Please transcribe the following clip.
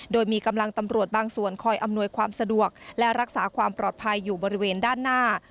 โดยมีกำลังตำรวจบางส่วนคอยอำนวยความสะดวกและรักษาความปลอดภัยอยู่บริเวณด้านหน้า